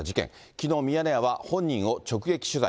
きのう、ミヤネ屋は本人を直撃取材。